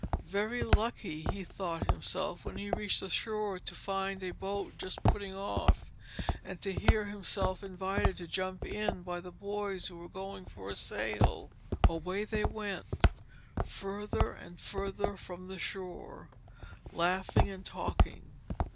Very lucky he thought himself when he reached the shore to find a boat just putting of, and to hear himself invited to jump in by the boys who were going for a sail. Away they went, further and further from the shore, laughing and talking.